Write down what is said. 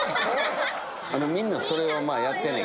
みんなそれをやってんねん。